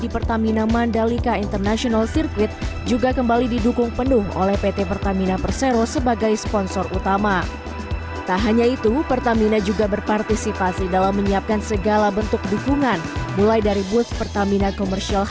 pertamina grand prix of mandalika